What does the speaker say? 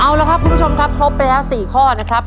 เอาละครับคุณผู้ชมครับครบไปแล้ว๔ข้อนะครับ